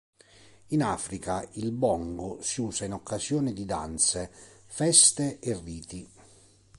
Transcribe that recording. In Africa il bongo si usa in occasione di danze, feste e riti.